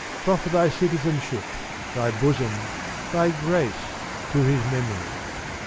Proffer thy citizenship, thy bosom, thy grace, to his memory.